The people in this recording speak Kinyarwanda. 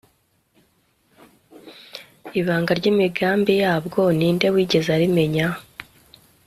ibanga ry'imigambi yabwo, ni nde wigeze arimenya